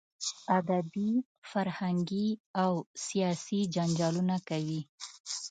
ادبي، فرهنګي او سیاسي جنجالونه کوي.